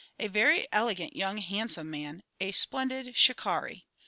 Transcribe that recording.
a very elegant young, handsome chap. A splendid Shikarri!